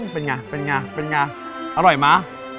เป็นไงเป็นไงอร่อยมั้ย